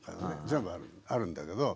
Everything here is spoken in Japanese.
全部あるんだけど。